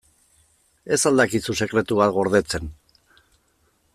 Ez al dakizu sekretu bat gordetzen?